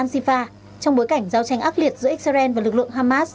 bệnh viện ansifa trong bối cảnh giao tranh ác liệt giữa israel và lực lượng hamas